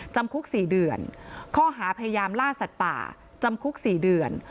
จำคุก๔เดือนข้อหาพยายามล่าสัตว์ป่าจำคุก๔เดือน